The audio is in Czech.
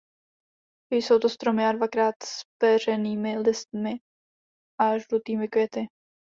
Jsou to stromy s dvakrát zpeřenými listy a žlutými květy.